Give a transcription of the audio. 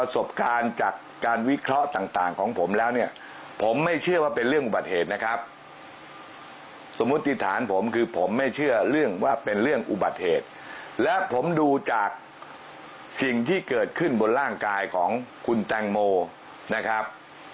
สิ่งที่เกิดขึ้นบนร่างกายของคุณแจงโมนะครับ